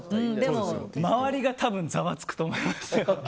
周りが多分ざわつくと思います。